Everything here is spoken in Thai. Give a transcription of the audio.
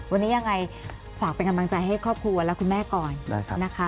วันนี้อย่างไงขอไปกำลังให้ครอบครูและคุณแม่ก่อนนะคะ